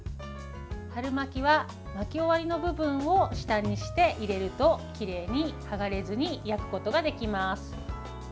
春巻きは巻き終わりの部分を下にして入れるときれいに、はがれずに焼くことができます。